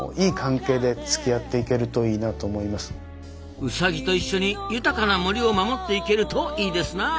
ウサギと一緒に豊かな森を守っていけるといいですな。